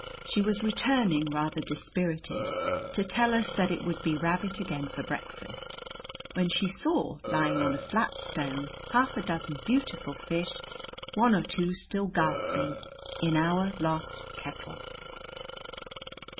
She was returning rather dispirited to tell us that it would be rabbit again for breakfast, when she saw lying on a flat stone half a dozen beautiful fish, one or two still gasping, in our lost kettle!